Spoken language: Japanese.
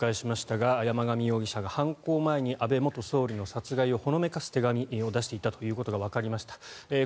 ＶＴＲでもご紹介しましたが山上容疑者が犯行前に安倍元総理の殺害をほのめかす手紙を出していたことがわかりました。